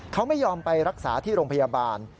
เขาไม่ยอมไปรักษาที่โรงพยาบาล